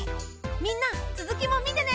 みんなつづきもみてね！